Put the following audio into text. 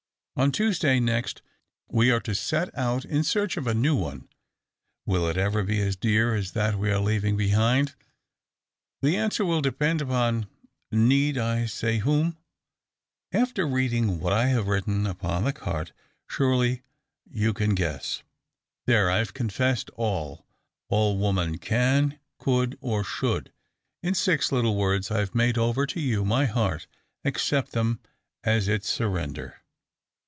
On Tuesday next we are to set out in search of a new one. Will it ever be as dear as that we are leaving behind? The answer will depend upon need I say whom? After reading what I have written upon the carte, surely you can guess. There, I have confessed all all woman can, could, or should. In six little words I have made over to you my heart. Accept them as its surrender!